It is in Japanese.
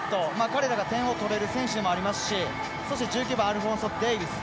彼らが点を取れる選手でもありますしそして１９番アルフォンソ・デイビス。